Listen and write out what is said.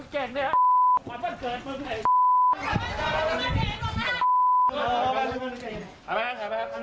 ทำไมครับ